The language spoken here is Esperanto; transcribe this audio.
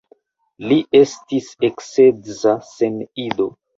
Li estis eksedza sen ido.